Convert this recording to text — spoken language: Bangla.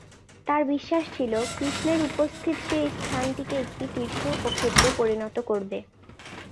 তাঁর বিশ্বাস ছিল, কৃষ্ণের উপস্থিত সেই স্থানটিকে একটি ‘তীর্থ’ ও ‘’ক্ষেত্রে’ পরিণত করবে।